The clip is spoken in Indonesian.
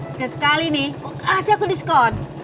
sekali sekali nih kasih aku diskon